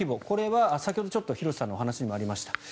これは先ほど、ちょっと廣瀬さんの話にもありました